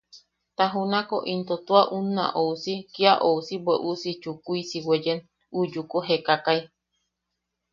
Ta junako into tua unna ousi, kia ousi bweʼusi chukuisi weeyen u yuku jeekakai.